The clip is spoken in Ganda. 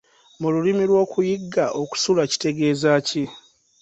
Mu lulimi lw’okuyigga okusula kitegeeza ki?